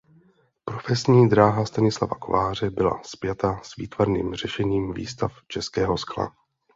Profesní dráha Stanislava Kováře byla spjata s výtvarným řešením výstav českého skla.